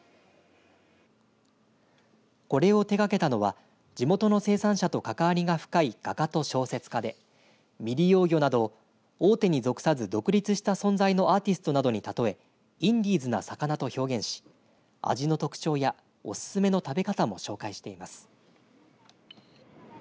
これを手がけたのは地元の生産者と関わりが深い画家と小説家で未利用魚などを大手に属さず独立した存在のアーティストなどに例えインディーズな魚と表現し味の特徴やおすすめの食べ方も紹介しています。